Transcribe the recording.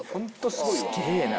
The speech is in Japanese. すげえな。